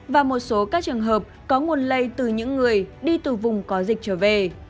và một số các trường hợp có nguồn lây từ những người đi từ vùng có dịch trở về